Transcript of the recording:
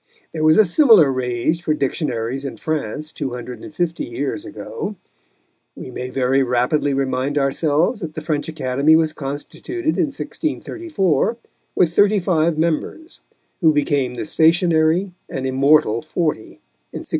There was a similar rage for dictionaries in France two hundred and fifty years ago. We may very rapidly remind ourselves that the French Academy was constituted in 1634 with thirty five members, who became the stationary and immortal Forty in 1639.